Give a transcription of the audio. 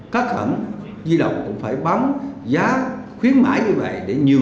cát khẩn du lọc cũng phải bắn giá khuyến mãi như vậy để được dân sử dụng